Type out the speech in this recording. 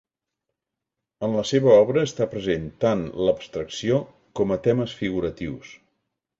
En la seva obra està present tant l'abstracció com a temes figuratius.